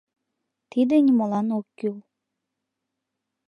Тиде нимолан ок кӱл.